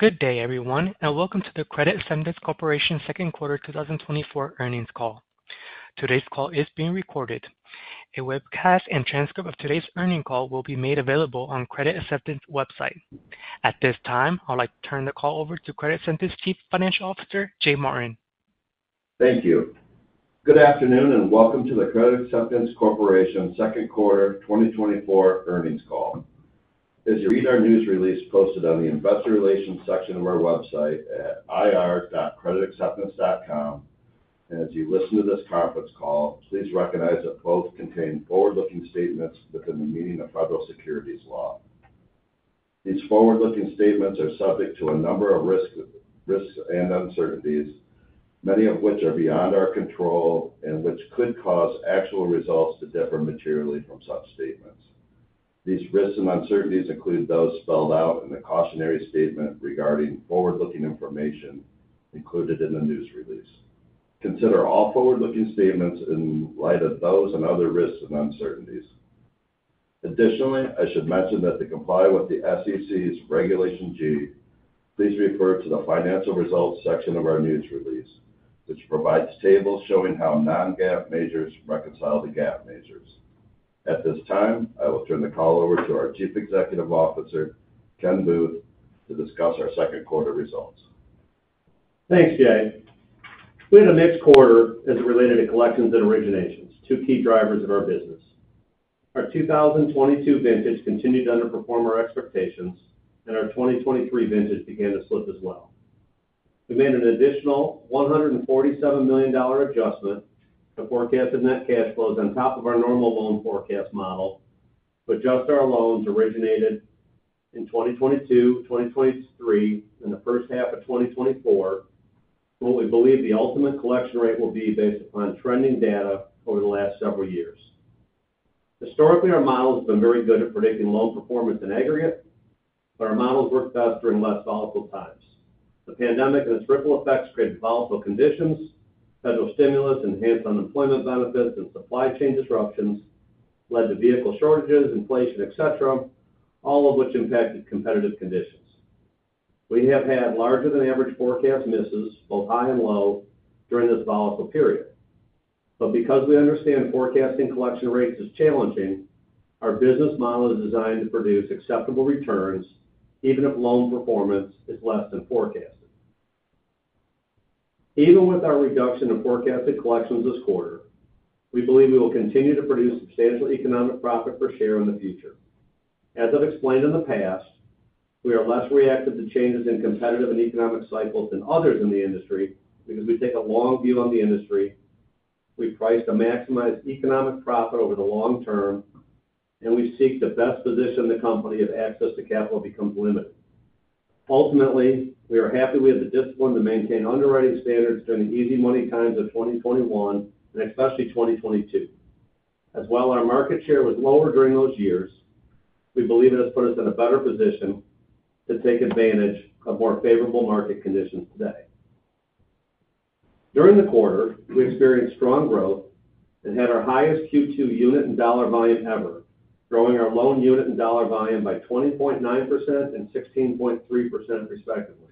Good day, everyone, and welcome to the Credit Acceptance Corporation Second Quarter 2024 earnings call. Today's call is being recorded. A webcast and transcript of today's earnings call will be made available on Credit Acceptance website. At this time, I'd like to turn the call over to Credit Acceptance Chief Financial Officer, Jay Martin. Thank you. Good afternoon, and welcome to the Credit Acceptance Corporation Second Quarter 2024 earnings call. As you read our news release posted on the investor relations section of our website at ir.creditacceptance.com, and as you listen to this conference call, please recognize that both contain forward-looking statements within the meaning of federal securities law. These forward-looking statements are subject to a number of risks, risks and uncertainties, many of which are beyond our control and which could cause actual results to differ materially from such statements. These risks and uncertainties include those spelled out in the cautionary statement regarding forward-looking information included in the news release. Consider all forward-looking statements in light of those and other risks and uncertainties. Additionally, I should mention that to comply with the SEC's Regulation G, please refer to the Financial Results section of our news release, which provides tables showing how non-GAAP measures reconcile to GAAP measures. At this time, I will turn the call over to our Chief Executive Officer, Ken Booth, to discuss our second quarter results. Thanks, Jay. We had a mixed quarter as it related to collections and originations, two key drivers of our business. Our 2022 vintage continued to underperform our expectations, and our 2023 vintage began to slip as well. We made an additional $147 million adjustment to forecast the net cash flows on top of our normal loan forecast model, but just our loans originated in 2022, 2023, and the first half of 2024, what we believe the ultimate collection rate will be based upon trending data over the last several years. Historically, our model has been very good at predicting loan performance in aggregate, but our models worked best during less volatile times. The pandemic and its ripple effects created volatile conditions, federal stimulus, enhanced unemployment benefits, and supply chain disruptions led to vehicle shortages, inflation, et cetera, all of which impacted competitive conditions. We have had larger than average forecast misses, both high and low, during this volatile period. But because we understand forecasting collection rates is challenging, our business model is designed to produce acceptable returns even if loan performance is less than forecasted. Even with our reduction in forecasted collections this quarter, we believe we will continue to produce substantial economic profit per share in the future. As I've explained in the past, we are less reactive to changes in competitive and economic cycles than others in the industry because we take a long view on the industry, we price to maximize economic profit over the long term, and we seek to best position the company if access to capital becomes limited. Ultimately, we are happy we have the discipline to maintain underwriting standards during the easy money times of 2021 and especially 2022. As well, our market share was lower during those years. We believe it has put us in a better position to take advantage of more favorable market conditions today. During the quarter, we experienced strong growth and had our highest Q2 unit and dollar volume ever, growing our loan unit and dollar volume by 20.9% and 16.3%, respectively.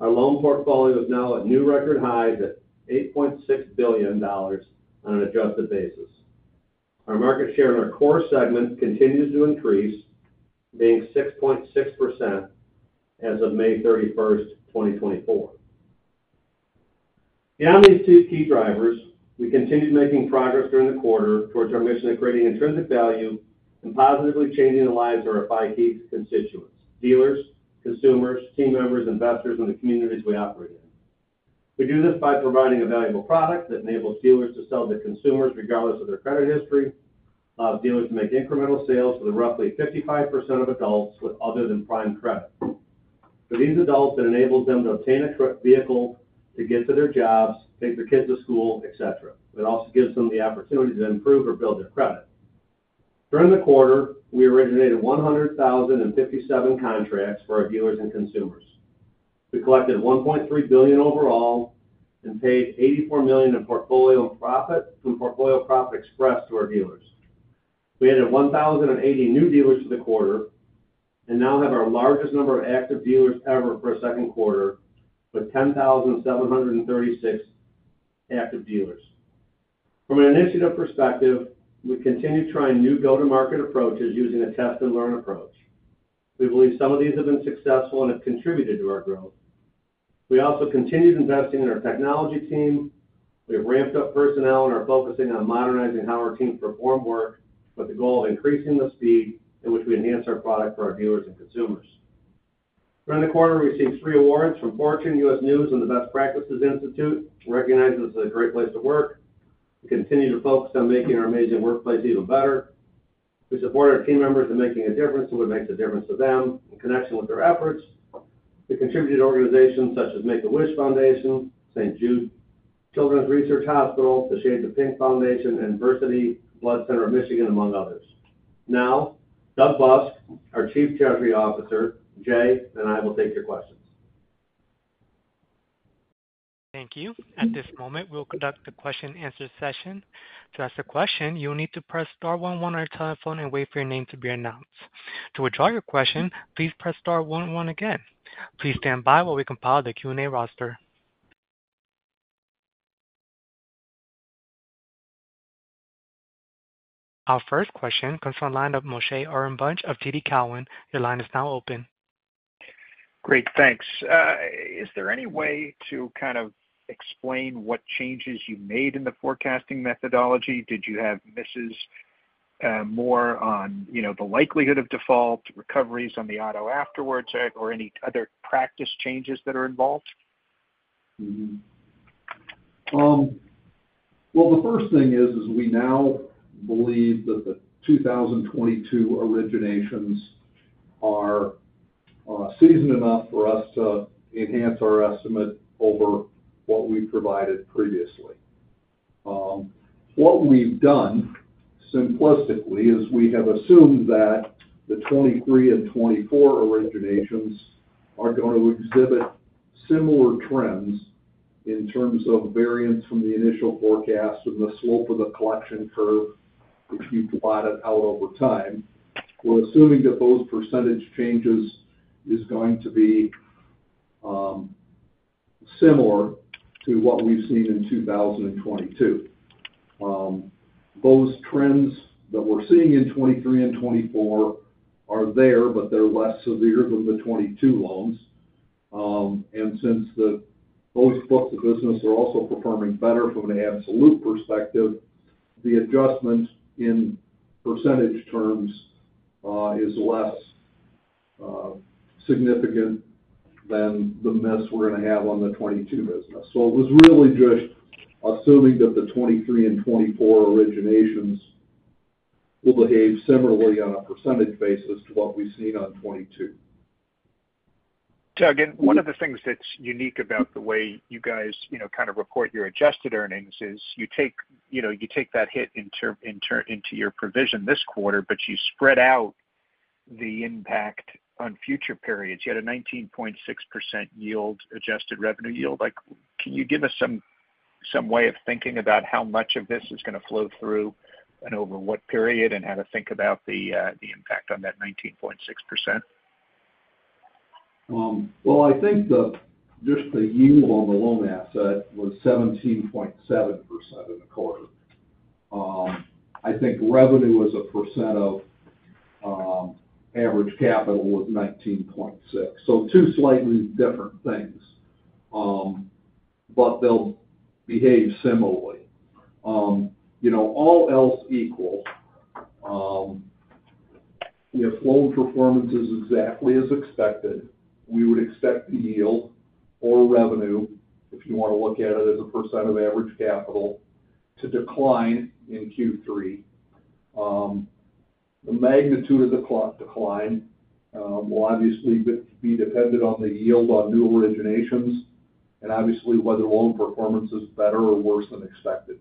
Our loan portfolio is now at new record highs at $8.6 billion on an adjusted basis. Our market share in our core segment continues to increase, being 6.6% as of May 31, 2024. Beyond these two key drivers, we continued making progress during the quarter towards our mission of creating intrinsic value and positively changing the lives of our five key constituents: dealers, consumers, team members, investors, and the communities we operate in. We do this by providing a valuable product that enables dealers to sell to consumers regardless of their credit history, dealers to make incremental sales to the roughly 55% of adults with other than prime credit. For these adults, it enables them to obtain a vehicle to get to their jobs, take their kids to school, et cetera. It also gives them the opportunity to improve or build their credit. During the quarter, we originated 100,057 contracts for our dealers and consumers. We collected $1.3 billion overall and paid $84 million in portfolio profit from Portfolio Profit Express to our dealers. We added 1,080 new dealers to the quarter and now have our largest number of active dealers ever for a second quarter, with 10,736 active dealers. From an initiative perspective, we continue trying new go-to-market approaches using a test and learn approach. We believe some of these have been successful and have contributed to our growth. We also continued investing in our technology team. We have ramped up personnel and are focusing on modernizing how our teams perform work with the goal of increasing the speed in which we enhance our product for our dealers and consumers. During the quarter, we received three awards from Fortune, U.S. News, and the Best Practice Institute, recognizing this is a great place to work. We continue to focus on making our amazing workplace even better. We support our team members in making a difference and would make the difference to them in connection with their efforts. We contribute to organizations such as Make-A-Wish Foundation, St. Jude Children's Research Hospital, the Shades of Pink Foundation, and Versiti Blood Center of Michigan, among others. Now, Doug Busk, our Chief Treasury Officer, Jay, and I will take your questions. Thank you. At this moment, we'll conduct the question-and-answer session. To ask a question, you'll need to press star one one on your telephone and wait for your name to be announced. To withdraw your question, please press star one one again. Please stand by while we compile the Q&A roster. Our first question comes from line of Moshe Orenbuch of TD Cowen. Your line is now open. Great, thanks. Is there any way to kind of explain what changes you made in the forecasting methodology? Did you have misses, more on, you know, the likelihood of default, recoveries on the auto afterwards, or, or any other practice changes that are involved? Well, the first thing is we now believe that the 2022 originations are seasoned enough for us to enhance our estimate over what we provided previously. What we've done, simplistically, is we have assumed that the 2023 and 2024 originations are going to exhibit similar trends in terms of variance from the initial forecast and the slope of the collection curve, which we plotted out over time. We're assuming that those percentage changes is going to be similar to what we've seen in 2022. Those trends that we're seeing in 2023 and 2024 are there, but they're less severe than the 2022 loans. And since those books of business are also performing better from an absolute perspective, the adjustment in percentage terms is less significant than the miss we're gonna have on the 2022 business. So it was really just assuming that the 2023 and 2024 originations will behave similarly on a percentage basis to what we've seen on 2022. Doug, and one of the things that's unique about the way you guys, you know, kind of report your adjusted earnings is you take, you know, you take that hit interest into your provision this quarter, but you spread out the impact on future periods. You had a 19.6% yield, Adjusted Revenue Yield. Like, can you give us some way of thinking about how much of this is going to flow through, and over what period, and how to think about the, the impact on that 19.6%? Well, I think the, just the yield on the loan asset was 17.7% in the quarter. I think revenue as a percent of average capital was 19.6%. So two slightly different things, but they'll behave similarly. You know, all else equal, if loan performance is exactly as expected, we would expect the yield or revenue, if you want to look at it as a percent of average capital, to decline in Q3. The magnitude of the decline will obviously be dependent on the yield on new originations, and obviously, whether loan performance is better or worse than expected.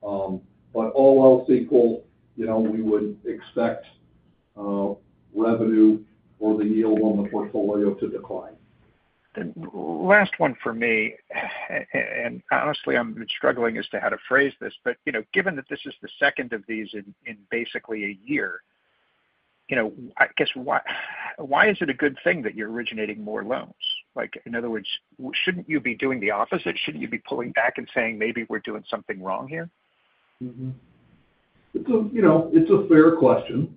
But all else equal, you know, we would expect revenue or the yield on the portfolio to decline. Last one for me, and honestly, I'm struggling as to how to phrase this. But, you know, given that this is the second of these in basically a year, you know, I guess why is it a good thing that you're originating more loans? Like, in other words, shouldn't you be doing the opposite? Shouldn't you be pulling back and saying, "Maybe we're doing something wrong here? It's a, you know, it's a fair question.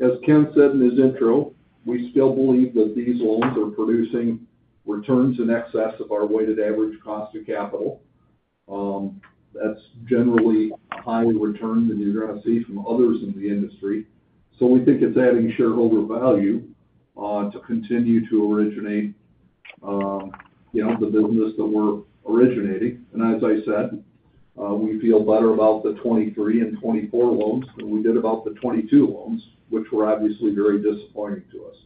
As Ken said in his intro, we still believe that these loans are producing returns in excess of our weighted average cost of capital. That's generally a higher return than you're going to see from others in the industry. So we think it's adding shareholder value, to continue to originate, you know, the business that we're originating. And as I said, we feel better about the 2023 and 2024 loans than we did about the 2022 loans, which were obviously very disappointing to us.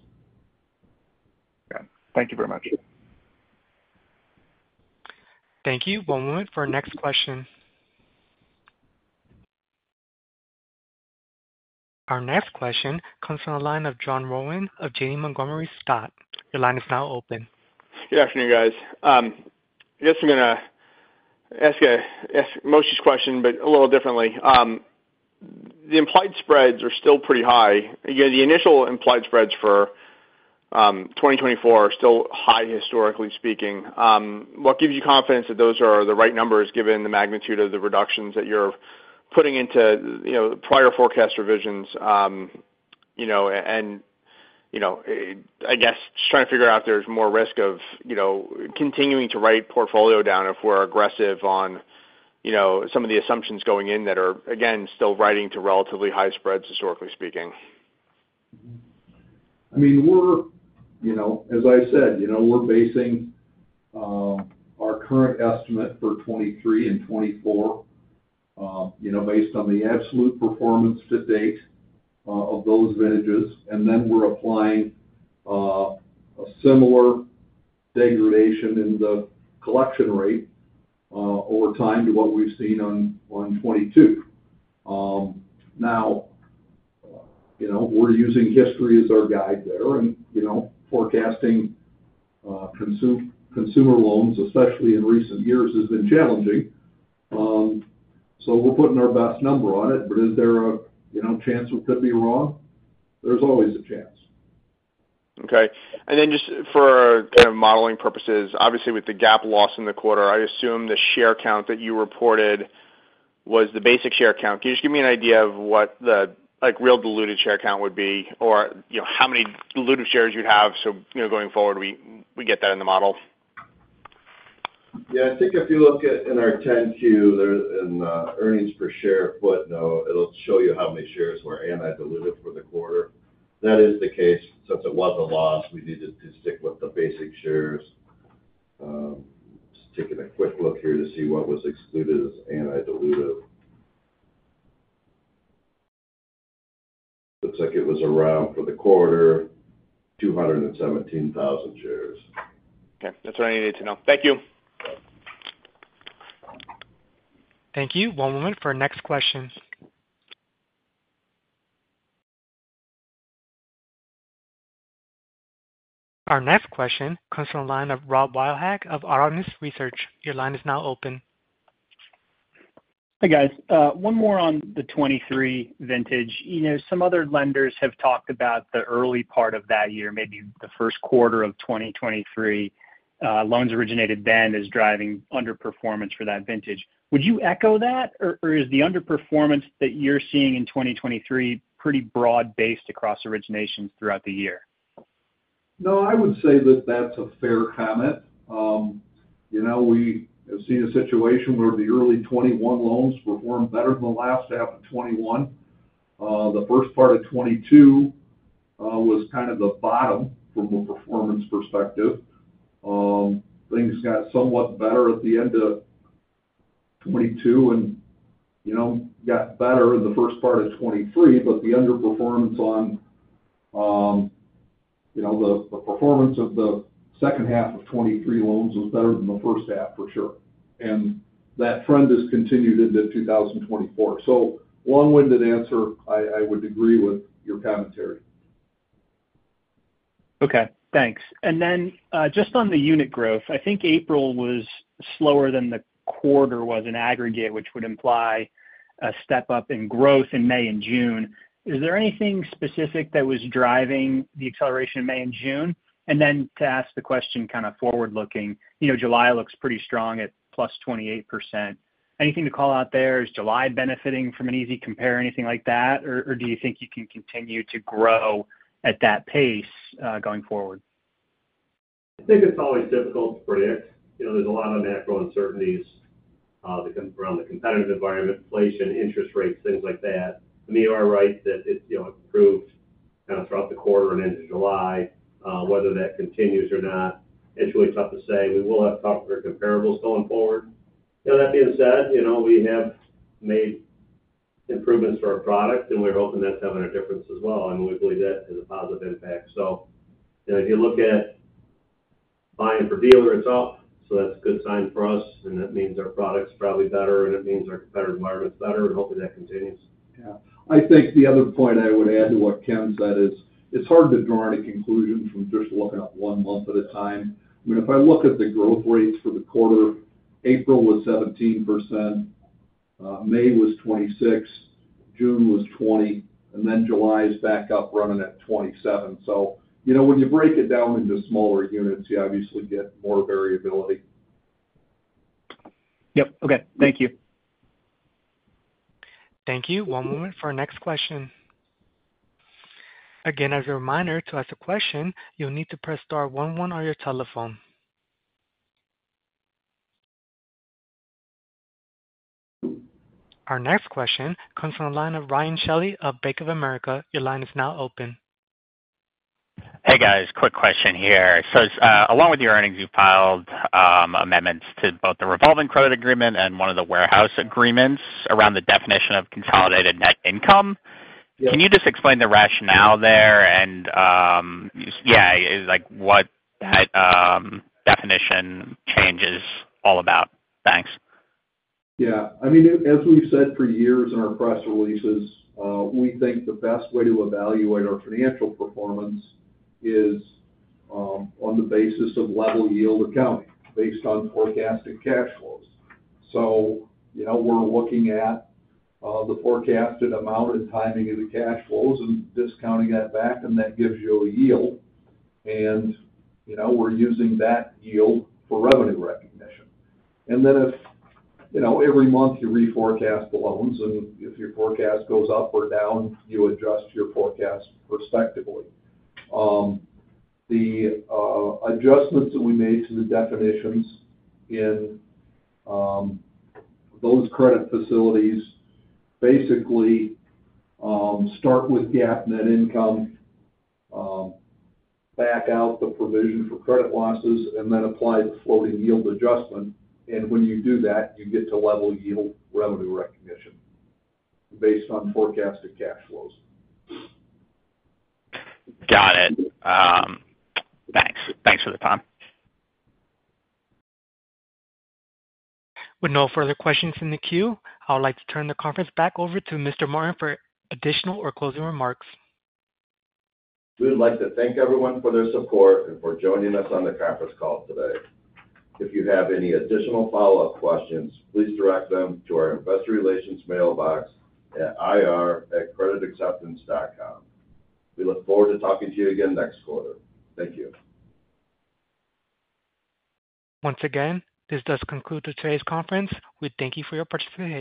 Okay. Thank you very much. Thank you. We'll move for our next question. Our next question comes from the line of John Rowan of Janney Montgomery Scott. Your line is now open. Good afternoon, guys. I guess I'm gonna ask Moshe's question, but a little differently. The implied spreads are still pretty high. The initial implied spreads for 2024 are still high, historically speaking. What gives you confidence that those are the right numbers, given the magnitude of the reductions that you're putting into, you know, prior forecast revisions? You know, and, you know, I guess, just trying to figure out if there's more risk of, you know, continuing to write portfolio down if we're aggressive on, you know, some of the assumptions going in that are, again, still writing to relatively high spreads, historically speaking. Mm-hmm. I mean, we're, you know, as I said, you know, we're basing our current estimate for 2023 and 2024, you know, based on the absolute performance to date, of those vintages, and then we're applying a similar degradation in the collection rate over time to what we've seen on 2022. You know, we're using history as our guide there, and, you know, forecasting consumer loans, especially in recent years, has been challenging. So we're putting our best number on it, but is there a, you know, chance we could be wrong? There's always a chance. Okay. And then just for kind of modeling purposes, obviously, with the GAAP loss in the quarter, I assume the share count that you reported was the basic share count. Can you just give me an idea of what the, like, real diluted share count would be, or, you know, how many diluted shares you'd have so, you know, going forward, we get that in the model? Yeah, I think if you look at in our 10-Q, there in the earnings per share footnote, it'll show you how many shares were anti-dilutive for the quarter. That is the case. Since it was a loss, we needed to stick with the basic shares. Just taking a quick look here to see what was excluded as anti-dilutive. Looks like it was around, for the quarter, 217,000 shares. Okay. That's what I needed to know. Thank you. Thank you. One moment for our next question. Our next question comes from the line of Rob Wildhack of Autonomous Research. Your line is now open. Hey, guys. One more on the 2023 vintage. You know, some other lenders have talked about the early part of that year, maybe the first quarter of 2023, loans originated then is driving underperformance for that vintage. Would you echo that, or is the underperformance that you're seeing in 2023 pretty broad-based across originations throughout the year? No, I would say that that's a fair comment. You know, we have seen a situation where the early 2021 loans performed better than the last half of 2021. The first part of 2022 was kind of the bottom from a performance perspective. Things got somewhat better at the end of 2022 and, you know, got better in the first part of 2023, but the underperformance on, you know, the performance of the second half of 2023 loans was better than the first half, for sure, and that trend has continued into 2024. So long-winded answer, I would agree with your commentary. Okay, thanks. And then, just on the unit growth, I think April was slower than the quarter was in aggregate, which would imply a step up in growth in May and June. Is there anything specific that was driving the acceleration in May and June? And then to ask the question kind of forward-looking, you know, July looks pretty strong at +28%. Anything to call out there? Is July benefiting from an easy compare, anything like that, or do you think you can continue to grow at that pace, going forward? I think it's always difficult to predict. You know, there's a lot of macro uncertainties that come from the competitive environment, inflation, interest rates, things like that. You are right that it, you know, improved kind of throughout the quarter and into July. Whether that continues or not, it's really tough to say. We will have tougher comparables going forward. You know, that being said, you know, we have made improvements to our product, and we're hoping that's having a difference as well, and we believe that is a positive impact. So, you know, if you look at buying per dealer, it's up, so that's a good sign for us, and that means our product's probably better, and it means our competitive environment's better. We're hoping that continues. Yeah. I think the other point I would add to what Ken said is, it's hard to draw any conclusion from just looking at one month at a time. I mean, if I look at the growth rates for the quarter, April was 17%, May was 26%, June was 20%, and then July is back up running at 27%. So, you know, when you break it down into smaller units, you obviously get more variability. Yep. Okay. Thank you. Thank you. One moment for our next question. Again, as a reminder, to ask a question, you'll need to press star one one on your telephone. Our next question comes from the line of Ryan Shelley of Bank of America. Your line is now open. Hey, guys, quick question here. So, along with your earnings, you filed amendments to both the Revolving Credit Agreement and one of the Warehouse Agreements around the definition of Consolidated Net Income. Yep. Can you just explain the rationale there? Yeah, like, what that definition change is all about? Thanks. Yeah. I mean, as we've said for years in our press releases, we think the best way to evaluate our financial performance is on the basis of level yield accounting, based on forecasted cash flows. So, you know, we're looking at the forecasted amount and timing of the cash flows and discounting that back, and that gives you a yield. And, you know, we're using that yield for revenue recognition. And then if, you know, every month, you reforecast the loans, and if your forecast goes up or down, you adjust your forecast respectively. The adjustments that we made to the definitions in those credit facilities basically start with GAAP net income, back out the provision for credit losses, and then apply the floating yield adjustment. When you do that, you get to level yield revenue recognition based on forecasted cash flows. Got it. Thanks. Thanks for the time. With no further questions in the queue, I would like to turn the conference back over to Mr. Martin for additional or closing remarks. We would like to thank everyone for their support and for joining us on the conference call today. If you have any additional follow-up questions, please direct them to our investor relations mailbox at ir@creditacceptance.com. We look forward to talking to you again next quarter. Thank you. Once again, this does conclude today's conference. We thank you for your participation.